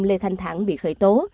lê thanh thản bị khởi tố